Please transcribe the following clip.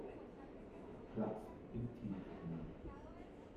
Platz im Teamspringen.